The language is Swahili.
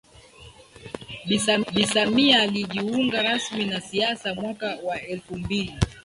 Bi Samia alijiunga rasmi na siasa mwaka wa elfu mbili